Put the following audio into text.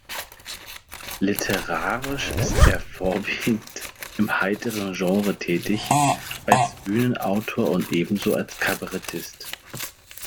Literarisch ist er vorwiegend im heiteren Genre tätig, als Bühnenautor und ebenso als Kabarettist.